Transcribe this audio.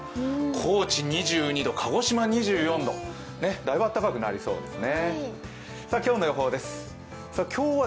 高知２２度、鹿児島２４度、大分あったかくなりそうですね。